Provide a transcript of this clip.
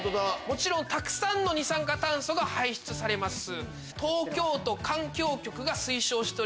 もちろんたくさんの二酸化炭素が排出されます。